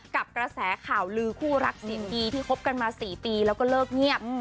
กระแสข่าวลือคู่รักเสียงดีที่คบกันมา๔ปีแล้วก็เลิกเงียบ